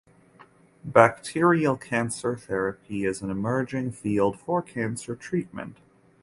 Bacterial cancer therapy is an emerging field for cancer treatment.